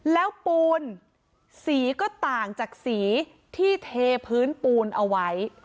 แล้วปูนสีก็ต่างจากสีที่เทพื้นปูนเอาไว้